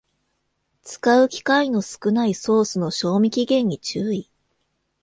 使う機会の少ないソースの賞味期限に注意